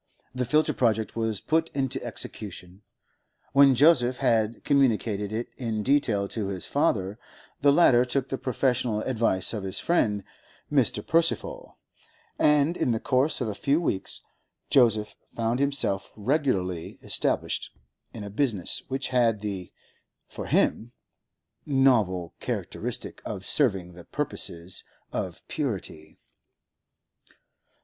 The filter project was put into execution. When Joseph had communicated it in detail to his father, the latter took the professional advice of his friend Mr. Percival, and in the course of a few weeks Joseph found himself regularly established in a business which had the—for him—novel characteristic of serving the purposes of purity.